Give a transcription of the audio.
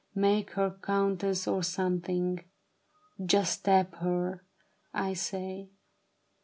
Make her countess or something ; just stab her, I say